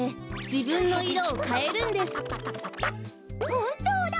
ほんとうだ！